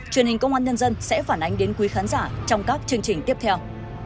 truyền hình công an nhân dân sẽ phản ánh đến quý khán giả trong các chương trình tiếp theo